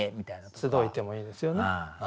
「つどひて」もいいですよね。